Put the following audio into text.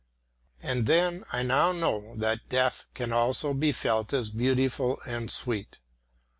And then I now know that death can also be felt as beautiful and sweet.